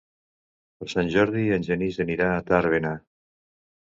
Per Sant Jordi en Genís anirà a Tàrbena.